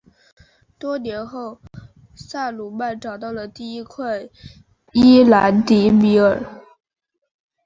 多年后萨鲁曼找到了第一块伊兰迪米尔。